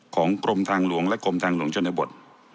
กรมทางหลวงและกรมทางหลวงชนบท